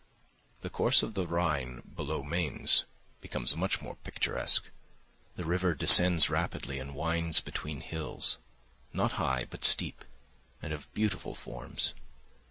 The course of the Rhine below Mainz becomes much more picturesque. The river descends rapidly and winds between hills, not high, but steep, and of beautiful forms.